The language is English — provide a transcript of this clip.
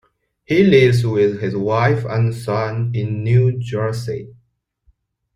He lives with his wife and son in New Jersey.